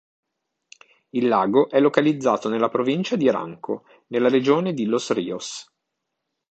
Il lago è localizzato nella provincia di Ranco, nella regione di Los Ríos.